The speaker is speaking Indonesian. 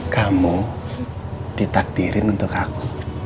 kamu ditakdirin untuk aku